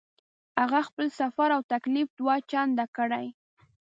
هغه خپل سفر او تکلیف دوه چنده کړی.